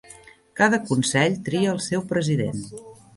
Cada consell tria el seu president.